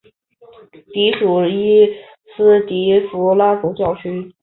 属茹伊斯迪福拉总教区。